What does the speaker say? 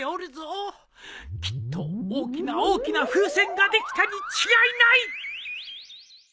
きっと大きな大きな風船ができたに違いない！